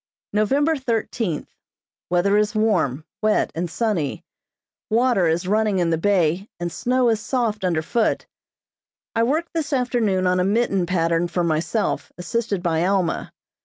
November thirteenth: Weather is warm, wet, and sunny. Water is running in the bay and snow is soft under foot. I worked this afternoon on a mitten pattern for myself, assisted by Alma.